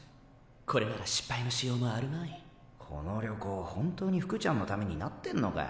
これなら失敗のしようもあるまいこの旅行本当に福ちゃんのためになってんのかよ。